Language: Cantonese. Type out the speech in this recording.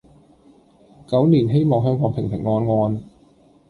狗年希望香港平平安安